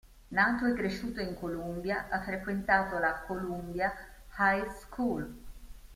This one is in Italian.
Nato e cresciuto in Columbia, ha frequentato la Columbia High School.